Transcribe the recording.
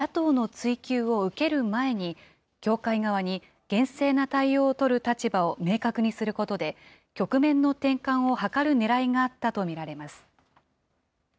野党の追及を受ける前に、教会側に厳正な対応を取る立場を明確にすることで、局面の転換を図るねらいがあったと見られます。